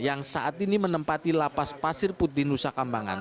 yang saat ini menempati lapas pasir putih nusa kambangan